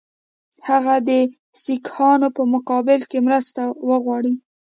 هغه د سیکهانو په مقابل کې مرسته وغواړي.